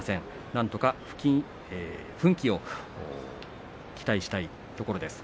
なんとか奮起を期待したいところです。